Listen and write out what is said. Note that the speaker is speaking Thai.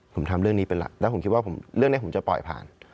ผมทำเรื่องนี้ไปแล้วผมคิดว่าเรื่องนี้ผมจะปล่อยผ่าน